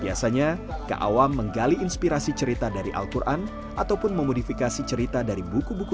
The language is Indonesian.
biasanya keawam menggali inspirasi cerita dari al quran ataupun memodifikasi cerita dari buku buku